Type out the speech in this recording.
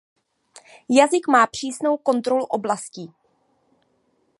Jazyk má přísnou kontrolu oblastí.